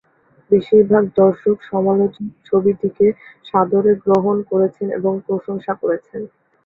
বেশিরভাগ দর্শক সমালোচক ছবিটিকে সাদরে গ্রহণ করেছেন এবং প্রশংসা করেছেন।